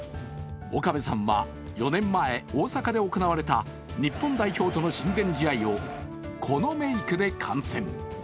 岡部さんは４年前、大阪で行われた日本代表との親善試合をこのメークで観戦。